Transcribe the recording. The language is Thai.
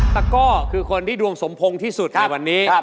ตะก้อคือคนที่ดวงสมพงษ์ที่สุดในวันนี้